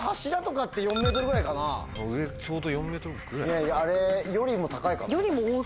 いやいやあれよりも高いか。